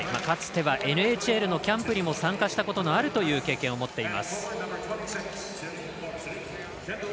かつてはＮＨＬのキャンプにも参加したことのある経験を持っています。